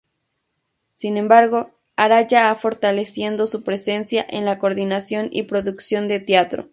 Sin embargo, Araya ha fortaleciendo su presencia en la coordinación y producción de teatro.